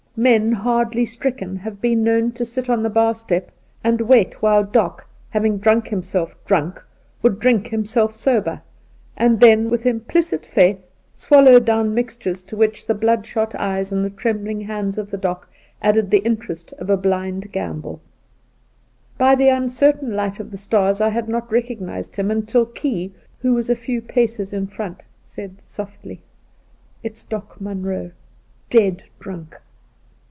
Soltke 65 Men hardly stricken have been known to sit on the bar step and wait while Doc, having drunk himself drunk, would drink himself sober, and then, with implicit faith, swallow down mixtures to which the bloodshot eyes and the trembling hands of the Doc added the interest of a blind gamble. By the uncertain light of the stars I had not recognised him, until Key, who was a few paces in front, said softly :' It's Doc Munroe — dead drunk